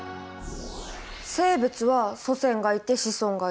生物は祖先がいて子孫がいる。